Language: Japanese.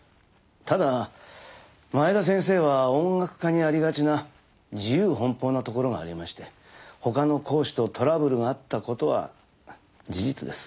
ただ前田先生は音楽家にありがちな自由奔放なところがありまして他の講師とトラブルがあった事は事実です。